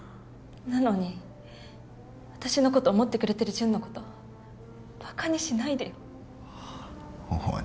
なのに私のこと思ってくれてるジュンのことバカにしないでよ。はっ？